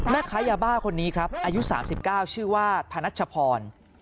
แม่ค้ายาบ้าคนนี้ครับอายุ๓๙ชื่อว่าธนัชพร